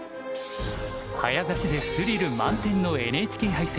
早指しでスリル満点のＮＨＫ杯戦。